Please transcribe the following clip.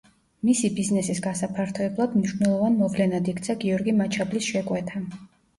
მისი ბიზნესის გასაფართოებლად მნიშვნელოვან მოვლენად იქცა გიორგი მაჩაბლის შეკვეთა.